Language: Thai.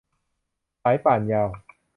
สายป่านยาว